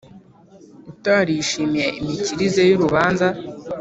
utarishimiye imikirize y' urubanza